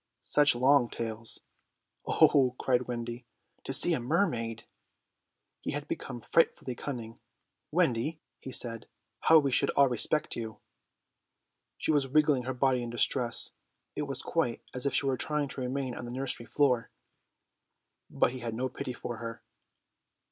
"Such long tails." "Oh," cried Wendy, "to see a mermaid!" He had become frightfully cunning. "Wendy," he said, "how we should all respect you." She was wriggling her body in distress. It was quite as if she were trying to remain on the nursery floor. But he had no pity for her.